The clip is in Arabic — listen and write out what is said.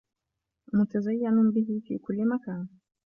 وَمُتَزَيَّنٌ بِهِ فِي كُلِّ مَكَان